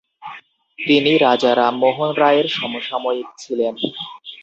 তিনি রাজা রামমোহন রায়ের সমসাময়িক ছিলেন।